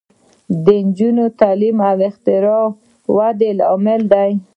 د نجونو تعلیم د اختراع ودې لامل دی.